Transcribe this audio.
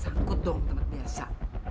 sangkut dong teman biasa